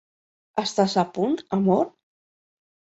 Estàs a punt, amor?